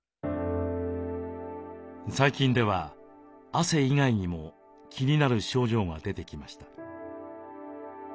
最近では汗以外にも気になる症状が出てきました。